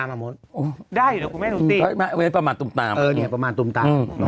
เพราะงั้นประมาณตูมตามอือประมาณตูมตาม